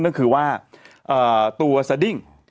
ก็คือว่าตัวสดิ้ง